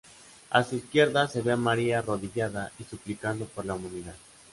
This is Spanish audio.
A su izquierda se ve a María arrodillada y suplicando por la Humanidad.